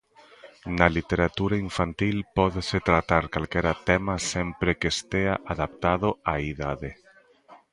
Na literatura infantil pódese tratar calquera tema sempre que estea adaptado á idade.